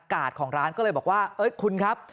ของร้านก็เลยบอกว่าคุณครับ